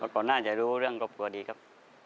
ก่อนน่าจะรู้เรื่องครอบครัวดีครับ